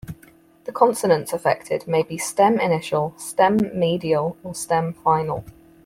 The consonants affected may be stem-initial, stem-medial, or stem-final.